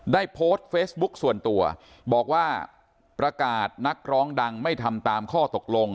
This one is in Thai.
ได้โพสต์เฟซบุ๊คส่วนตัวบอกว่าประกาศนักร้องดังไม่ทำตามข้อตกลง